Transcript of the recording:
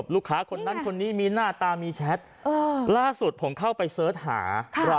ลูกค้าคนนั้นคนนี้มีหน้าตามีแชทล่าสุดผมเข้าไปเสิร์ชหา